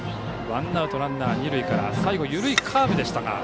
ワンアウト、ランナー、二塁から最後、緩いカーブでしたが。